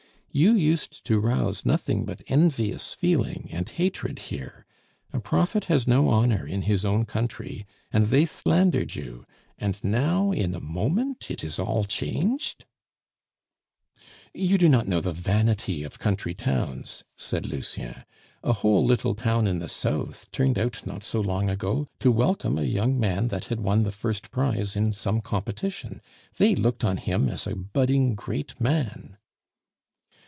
You used to rouse nothing but envious feeling and hatred here; a prophet has no honor in his own country, and they slandered you, and now in a moment it is all changed " "You do not know the vanity of country towns," said Lucien. "A whole little town in the south turned out not so long ago to welcome a young man that had won the first prize in some competition; they looked on him as a budding great man."